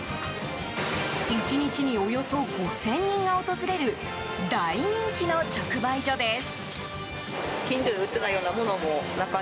１日におよそ５０００人が訪れる大人気の直売所です。